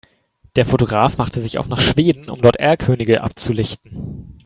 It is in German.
Der Fotograf machte sich auf nach Schweden, um dort Erlkönige abzulichten.